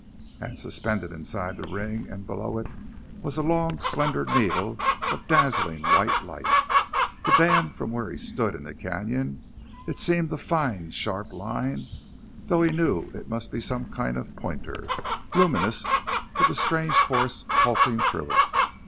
And suspended inside the ring and below it was a long, slender needle of dazzling white light. To Dan, from where he stood in the canyon, it seemed a fine, sharp line, though he knew it must be some kind of pointer, luminous with the strange force pulsing through it.